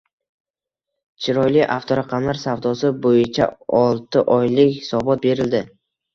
«Chiroyli» avtoraqamlar savdosi bo‘yichaoltioylik hisobot berildi